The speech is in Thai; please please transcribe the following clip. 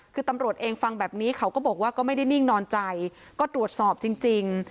คือตำรวจเองฟังแบบนี้เขาก็บอกว่าก็ไม่ได้นิ่งนอนใจก็ตรวจสอบจริง